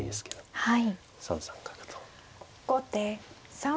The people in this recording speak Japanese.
後手３三角。